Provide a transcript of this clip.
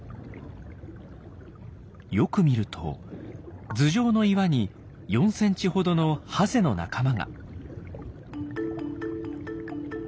よく見ると頭上の岩に４ｃｍほどのハゼの仲間が。